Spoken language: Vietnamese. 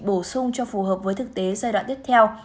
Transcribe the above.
bổ sung cho phù hợp với thực tế giai đoạn tiếp theo